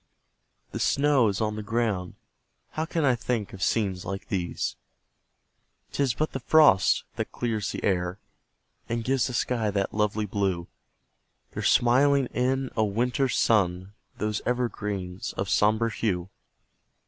the snow is on the ground How can I think of scenes like these? 'Tis but the FROST that clears the air, And gives the sky that lovely blue; They're smiling in a WINTER'S sun, Those evergreens of sombre hue.